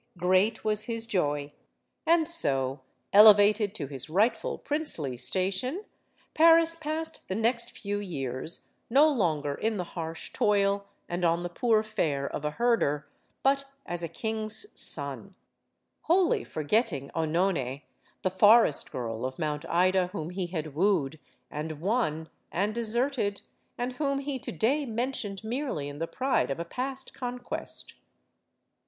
Great was his joy. And so, elevated to his rightful princely station, Paris passed the next few years, no longer in the harsh toil and on the poor fare of a herder, but as a king's son; wholly forgetting CEnone, the forest girl of Mount Ida whom he had wooed and won and deserted, and whom he to day mentioned merely in the pride of a past conquest.